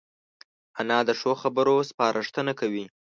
انا د ښو خبرو سپارښتنه کوي